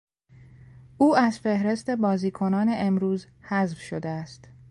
او از فهرست بازیکنان امروز حذف شده است.